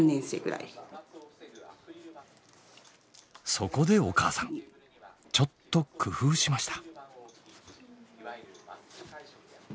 そこでお母さんちょっと工夫しました。